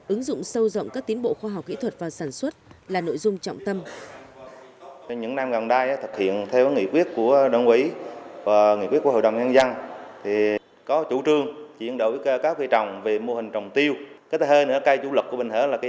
ứng dụng sâu rộng các tiến bộ khoa học kỹ thuật vào sản xuất là nội dung trọng tâm